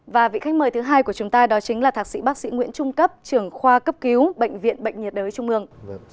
và vị khách mời thứ hai của chúng ta đó chính là thạc sĩ bác sĩ nguyễn trung cấp trưởng khoa cấp cứu bệnh viện bệnh nhiệt đới trung ương